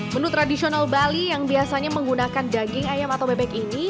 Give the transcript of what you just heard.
menu tradisional bali yang biasanya menggunakan daging ayam atau bebek ini